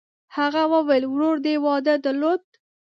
هغه وویل: «ورور دې واده درلود؟»